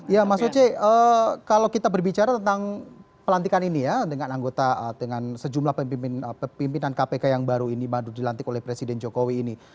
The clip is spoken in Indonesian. ya mas oce kalau kita berbicara tentang pelantikan ini ya dengan anggota dengan sejumlah pemimpinan kpk yang baru ini dilantik oleh presiden jokowi ini